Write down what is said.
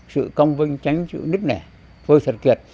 sự công vinh tránh sự nứt nẻ phơi thật kiệt